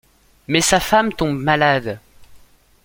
Mais sa femme tombe malade.